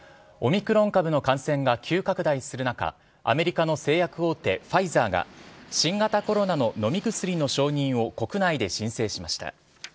オミクロン株の感染が急拡大する中アメリカの製薬大手ファイザーが新型コロナの飲み薬の承認を国内で申請しました。